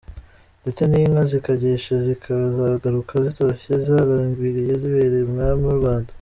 Ndetse n’inka zikagisha zikazagaruka zitoshye zaragwiriye zibereye umwami w’ u Rwanda